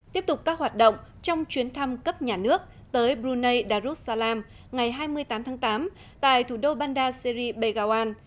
tiếp tục các hoạt động trong chuyến thăm cấp nhà nước tới brunei darussalam ngày hai mươi tám tháng tám tại thủ đô banda syri begawan